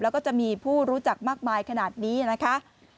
แล้วก็จะมีผู้รู้จักมากมายขนาดนี้นะคะ